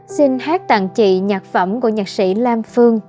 xin hát tặng chị nhạc phẩm của nhạc sĩ lam phương